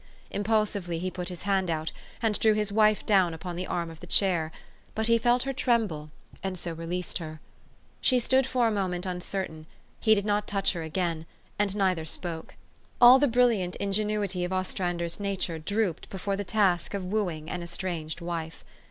Impulsively he put his hand out, and drew his wife down upon the arm of the chair ; but he felt her tremble, and so released her. She stood for a minute uncertain : he did not touch her again, and neither spoke. All the brilliant ingenuity of Ostrander's na ture drooped before the task of wooing an estranged wife.